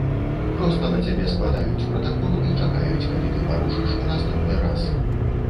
Проста на цябе складаюць пратакол і чакаюць, калі ты парушыш у наступны раз.